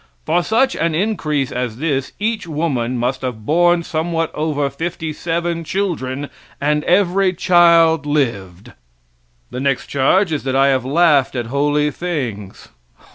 For such an increase as this each woman must have borne somewhat over fifty seven children, and every child lived. The next charge is that I have laughed at holy things.